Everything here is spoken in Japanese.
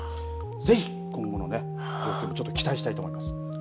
ぜひ今後に期待したいと思います。